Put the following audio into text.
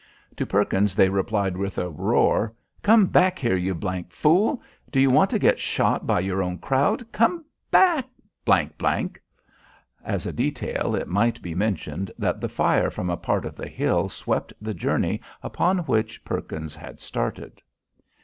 To Perkins they replied with a roar. "Come back here, you fool. Do you want to get shot by your own crowd? Come back, !" As a detail, it might be mentioned that the fire from a part of the hill swept the journey upon which Perkins had started.